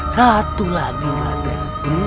satu lagi raden